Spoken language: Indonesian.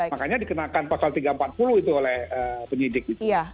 makanya dikenakan pasal tiga ratus empat puluh itu oleh penyidik